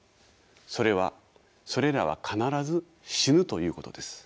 それはそれらは必ず死ぬということです。